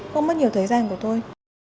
không mất nhiều thời gian của tôi